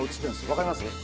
わかります？